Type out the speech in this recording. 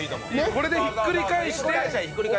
これでひっくり返して置けば。